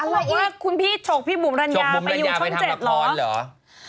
ว่าชกปิบูมรัญญาไปอยู่ช่องเจ็ดเหรอ